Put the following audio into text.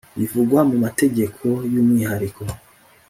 Bivugwa mu mategeko y’ umwihariko.